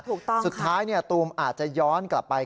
ถูกต้องสุดท้ายตูมอาจจะย้อนกลับไป